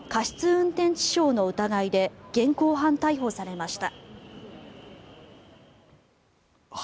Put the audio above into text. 運転致傷の疑いで現行犯逮捕されました。